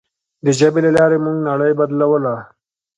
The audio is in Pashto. د ژبې له لارې موږ نړۍ بدلوله.